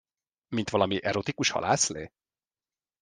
Mint valami erotikus halászlé?